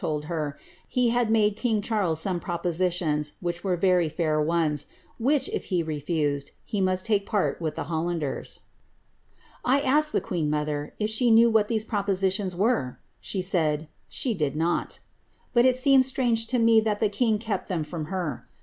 told her he had made 58 some propositions, which were very fair ones, which, if he must take part with the Hollanders.' 1 the queen mother ^if she knew what these propositions le said ^ she did not' But it seemed strange to me that the hem from her.